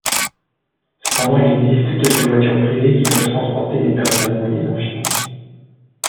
Cependant il existe quelques voitures privées qui peuvent transporter des personnes moyennant finance.